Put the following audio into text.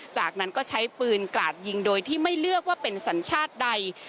จากนั้นก็ใช้ปืนกราดยิงโดยที่ไม่เลือกว่าเป็นสัญชาติใด